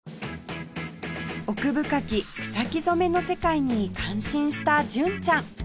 奥深き草木染の世界に感心した純ちゃん